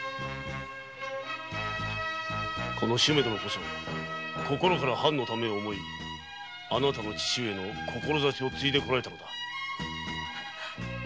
この主馬殿こそ心から藩のためを思いあなたの父上の志を継いでこられたのだ。